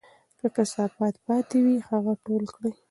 که کثافات پاتې وي، هغه ټول کړئ.